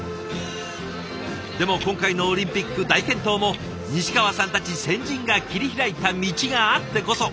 でも今回のオリンピック大健闘も西川さんたち先人が切り開いた道があってこそ！